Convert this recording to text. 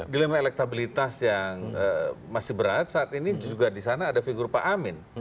dilemanya elektabilitas yang masih berat saat ini juga disana ada figur pak amin